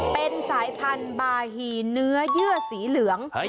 เป็นสายพันธุ์บาฮีเนื้อเยื่อสีเหลือง